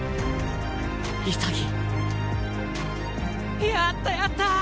潔やったやったー！